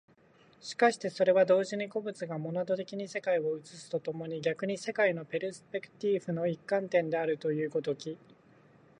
しかしてそれは同時に個物がモナド的に世界を映すと共に逆に世界のペルスペクティーフの一観点であるという如き、